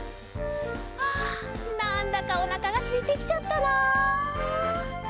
あなんだかおなかがすいてきちゃったな。